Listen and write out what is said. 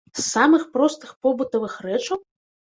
З самых простых побытавых рэчаў?